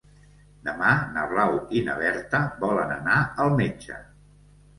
Demà na Blau i na Berta volen anar al metge.